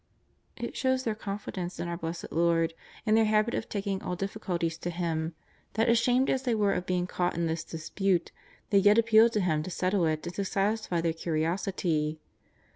" It shows their confidence in our Blessed Lord, and their habit of taking all difficultie& to Him, that ashamed as they were of being caught in this dispute, they yet appealed to Him to settle it and to satisfy their curiosity.